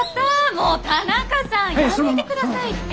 もう田中さんやめてくださいって。